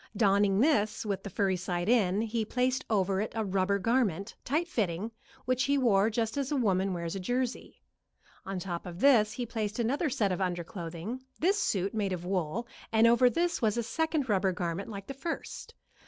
Donning this with the furry side in, he placed over it a rubber garment, tight fitting, which he wore just as a woman wears a jersey. On top of this he placed another set of under clothing, this suit made of wool, and over this was a second rubber garment like the first.